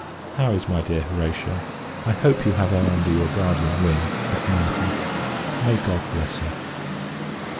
How is my dear Horatia? I hope you have her under your guardian wing, at Merton. May God bless her!